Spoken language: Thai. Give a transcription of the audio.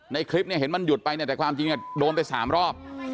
ในคลิปเนี่ยเห็นมันหยุดไปเนี่ยแต่ความจริงโดนไป๓รอบ